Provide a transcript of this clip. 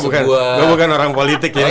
gue bukan orang politik ya